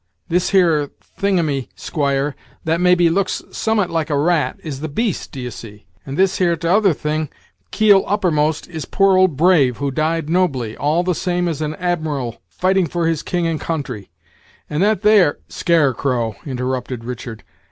"This here thingumy, squire, that maybe looks summat like a rat, is the beast, d'ye see; and this here t'other thing, keel uppermost, is poor old Brave, who died nobly, all the same as an admiral fighting for his king and country; and that there " "Scarecrow," interrupted Richard.